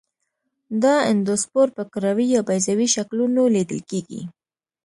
دا اندوسپور په کروي یا بیضوي شکلونو لیدل کیږي.